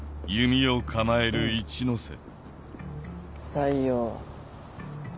採用。